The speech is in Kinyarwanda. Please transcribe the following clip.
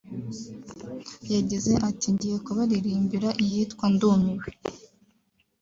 yagize ati “Ngiye kubaririmbira iyitwa Ndumiwe